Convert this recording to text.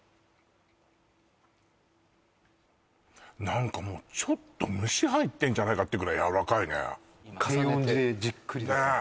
何かもうちょっと蒸し入ってんじゃないかってぐらいやわらかいね重ねてねえ